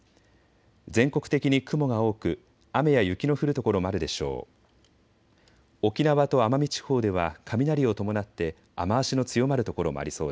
全国的に雲が多く雨や雪の降る所もあるでしょう。